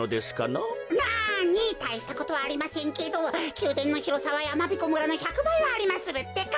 なにたいしたことはありませんけどきゅうでんのひろさはやまびこ村の１００ばいはありまするってか。